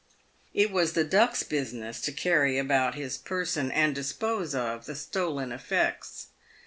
It was the Duck's business to carry about his person, and dispose of, the stolen effects.